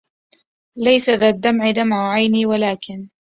ليس ذا الدمع دمع عيني ولكن